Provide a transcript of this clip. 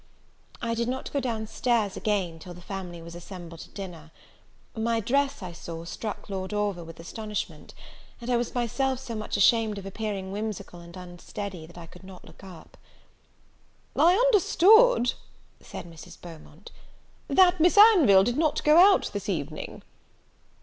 I did not go down stairs again till the family was assembled to dinner. My dress, I saw, struck Lord Orville with astonishment; and I was myself so much ashamed of appearing whimsical and unsteady, that I could not look up. "I understood," said Mrs. Beaumont, "that Miss Anville did not go out this evening."